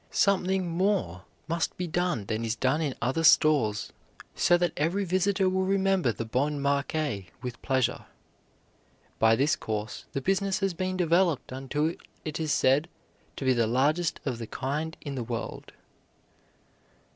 Something more must be done than is done in other stores, so that every visitor will remember the Bon Marché with pleasure. By this course the business has been developed until it is said to be the largest of the kind in the world.